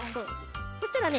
そしたらね